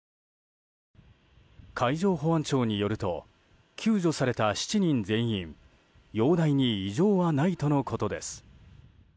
海上保安庁によると救助された７人全員は容体に異常はないとのことです。